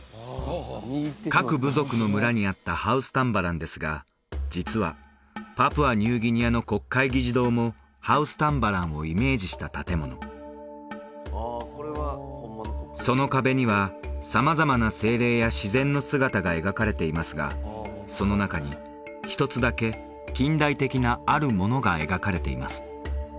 各部族の村にあったハウスタンバランですが実はパプアニューギニアの国会議事堂もハウスタンバランをイメージした建物その壁には様々な精霊や自然の姿が描かれていますがその中に１つだけ近代的なあるものが描かれています